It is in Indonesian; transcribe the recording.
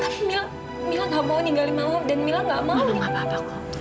tapi mila gak mau ninggalin mama dan mila gak mau